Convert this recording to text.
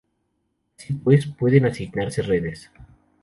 Así pues, pueden asignarse redes.